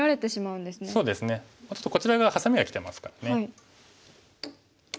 そうですねこちら側ハサミがきてますからね。